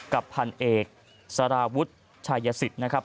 กับพันเอกสารวุฒิชายสิทธิ์นะครับ